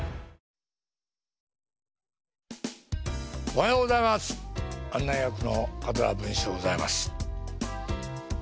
おはようございます！